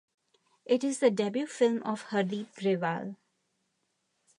It is the debut film of Hardeep Grewal.